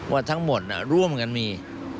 ว่าทั้งหมดร่วมกันมี